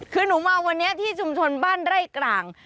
คือหนูมาวันนี้ที่ชุมชนบ้านไร่กลาง